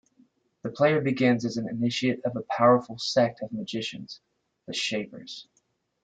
The player begins as an initiate of a powerful sect of magicians, the Shapers.